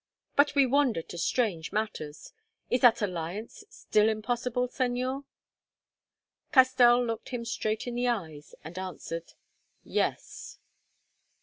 But we wander to strange matters. Is that alliance still impossible, Señor?" Castell looked him straight in the eyes and answered: "Yes."